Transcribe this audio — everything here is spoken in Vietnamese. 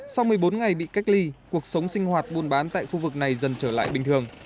sau một mươi bốn ngày bị cách ly cuộc sống sinh hoạt buôn bán tại khu vực này dần trở lại bình thường